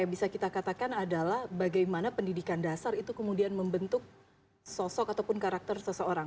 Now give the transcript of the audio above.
yang bisa kita katakan adalah bagaimana pendidikan dasar itu kemudian membentuk sosok ataupun karakter seseorang